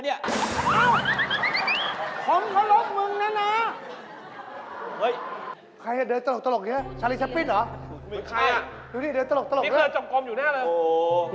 เดี๋ยวตลกเลยนะมีเครื่องจงกรมอยู่หน้าเลยนะโอ้โฮ